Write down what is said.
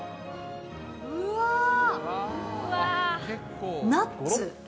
うわー、ナッツ。